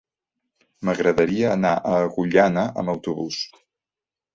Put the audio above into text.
M'agradaria anar a Agullana amb autobús.